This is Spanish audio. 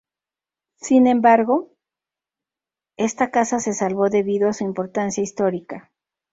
Sin embargo, esta casa se salvó debido a su importancia histórica.